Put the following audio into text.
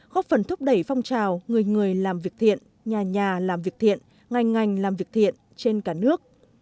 góp phần thúc đẩy phong trào người người làm việc thiện nhà nhà làm việc thiện ngành ngành làm việc thiện trên cả nước